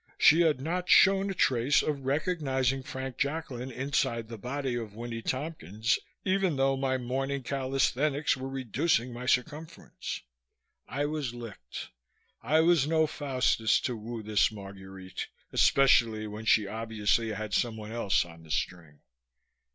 She had not shown a trace of recognizing Frank Jacklin inside the body of Winnie Tompkins, even though my morning calisthenics were reducing my circumference. I was licked. I was no Faustus to woo this Marguerite, especially when she obviously had someone else on the string.